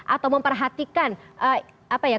atau memperhatikan kritik yang disampaikan oleh pemerintah